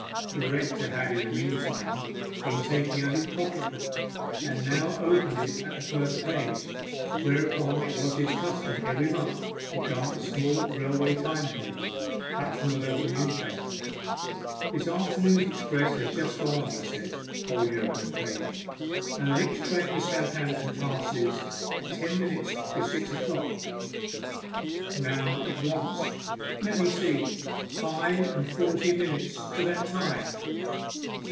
The rector had in the meantime been taking out his pocket book, and now opened it at the first page, whereon it was his custom every month to gum a small railway time table cut from the local newspaper. 'The afternoon express is just gone,' he said, holding open the page, 'and the next train to Southampton passes at ten minutes to six o'clock. Now it wants let me see five and forty minutes to that time.